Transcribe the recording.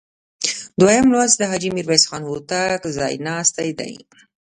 دویم لوست د حاجي میرویس خان هوتک ځایناستي دي.